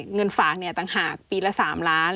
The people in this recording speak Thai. เงินฝากต่างหากปีละ๓ล้าน